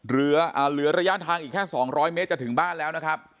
เหลือระยะทางอีกแค่๒๐๐เมตรจะถึงบ้านแล้วนะครับ